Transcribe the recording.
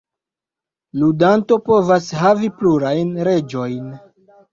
Ludanto povas havi plurajn Reĝojn.